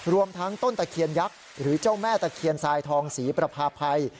รวมทั้งต้นตะเคียนยักษ์หรือเจ้าแม่ตะเคียนทรายทองศรีประพาภัย